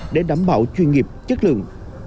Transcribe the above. để đảm bảo chuyên nghiệp chất lượng